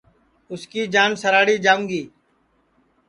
اُس کی جان سراھڑی جاوں گی